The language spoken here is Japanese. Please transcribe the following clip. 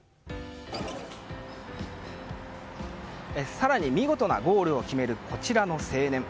更に、見事なゴールを決めるこちらの青年。